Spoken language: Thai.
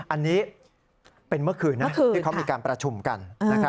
อันนี้เป็นเมื่อคืนนะที่เขามีการประชุมกัน